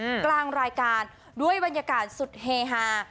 กลางรายการด้วยบรรยากาศสุดเฮฮา